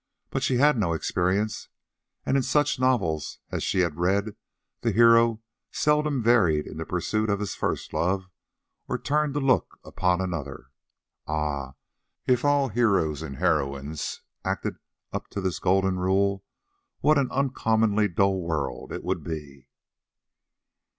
But she had no experience, and in such novels as she had read the hero seldom varied in the pursuit of his first love, or turned to look upon another. Ah! if all heroes and heroines acted up to this golden rule, what an uncommonly dull world it would be!